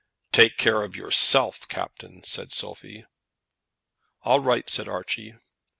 "Take care of yourself, captain," said Sophie. "All right," said Archie.